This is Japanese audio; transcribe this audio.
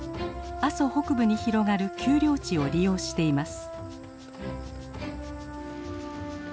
阿蘇北部に広がる丘陵地を利用しています。